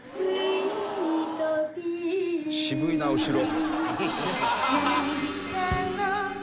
「渋いな後ろ」